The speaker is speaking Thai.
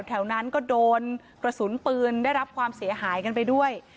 แถวนั้นก็โดนกระสุนปืนได้รับความเสียหายกันไปด้วย